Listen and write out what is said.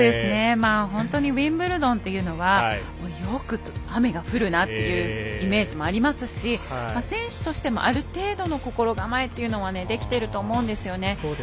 ウィンブルドンというのはよく雨が降るなというイメージもありますし選手としてもある程度の心構えはできていると思うんですよね。